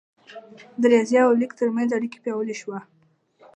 د ریاضي او لیک ترمنځ اړیکه پیاوړې شوه.